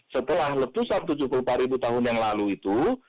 setelah letusan tujuh puluh empat ribu tahun yang lalu itu